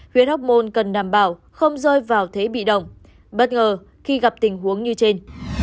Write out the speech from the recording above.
huyện hóc môn cần đảm bảo không rơi vào thế bị động bất ngờ khi gặp tình huống như trên